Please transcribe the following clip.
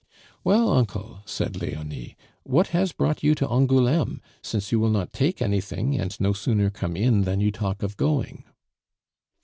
"Well, uncle," said Leonie, "what has brought you to Angouleme, since you will not take anything, and no sooner come in than you talk of going?"